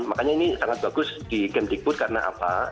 makanya ini sangat bagus di game digwood karena apa